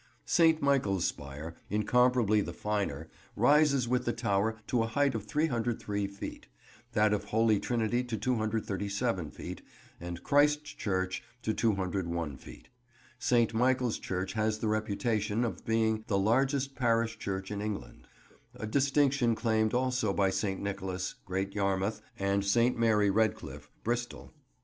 St. Michael's spire, incomparably the finer, rises with the tower to a height of 303 feet; that of Holy Trinity to 237 feet; and Christ Church to 201 feet. St. Michael's church has the reputation of being the largest parish church in England, a distinction claimed also by St. Nicholas, Great Yarmouth, and St. Mary Redcliffe, Bristol.